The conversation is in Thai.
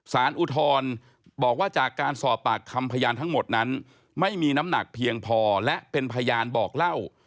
อุทธรณ์บอกว่าจากการสอบปากคำพยานทั้งหมดนั้นไม่มีน้ำหนักเพียงพอและเป็นพยานบอกเล่า